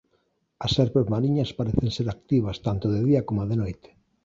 As serpes mariñas parecen ser activas tanto de día coma de noite.